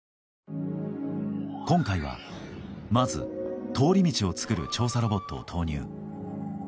今回は、まず通り道を作る調査ロボットを投入。